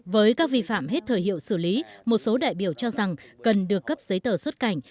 với các vi phạm hết thời hiệu xử lý một số đại biểu cho rằng cần được cấp giấy tờ xuất cảnh